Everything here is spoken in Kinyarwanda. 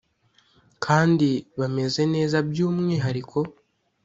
kandi bameze neza by’umwihariko